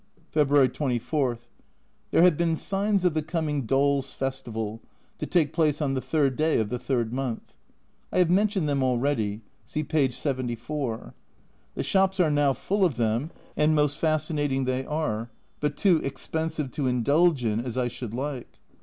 February 24. There have been signs of the coming Dolls' Festival, to take place on the 3rd day of the 3rd month. I have mentioned them already (see p. 74). The shops are now full of them, and most fascinating they are, but too expensive to indulge in as I should like.